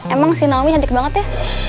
emang si nawi cantik banget ya